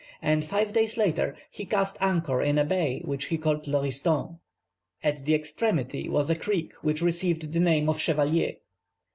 and five days later he cast anchor in a bay which he called Lauriston. At the extremity was a creek which received the name of Chevalier.